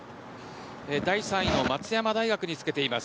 第３位の松山大学につけています。